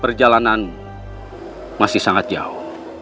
perjalanan masih sangat jauh